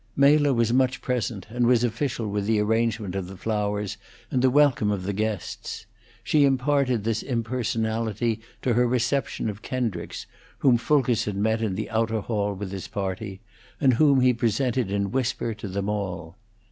Mela was much present, and was official with the arrangement of the flowers and the welcome of the guests. She imparted this impersonality to her reception of Kendricks, whom Fulkerson met in the outer hall with his party, and whom he presented in whisper to them all.